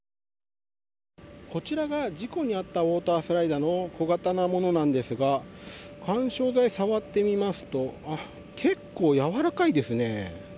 こちらが事故のあったウォータースライダーの小型のものですが緩衝材を触ってみますと結構やわらかいですね。